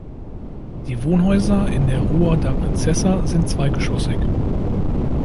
Die Wohnhäuser in der Rua da Princesa, sind zweigeschossig.